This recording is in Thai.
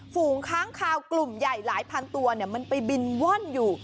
ฝูงค้างคาวกลุ่มใหญ่หลายพันตัวมันไปบินว่อนอยู่